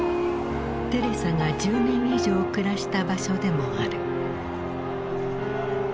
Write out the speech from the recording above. テレサが１０年以上暮らした場所でもある。